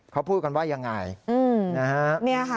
เขาพูดกันว่ายังไง